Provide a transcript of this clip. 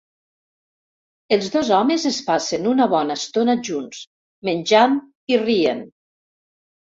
Els dos homes es passen una bona estona junts, menjant i rient.